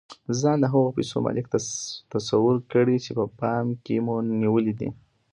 ځان د هغو پيسو مالک تصور کړئ چې په پام کې مو نيولې دي.